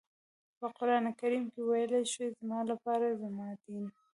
په قرآن کریم کې ويل شوي زما لپاره زما دین.